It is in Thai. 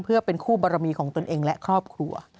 เพื่อเป็นคู่บารมีของตนเองและครอบครัว